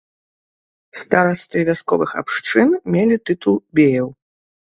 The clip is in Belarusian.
Старасты вясковых абшчын мелі тытул беяў.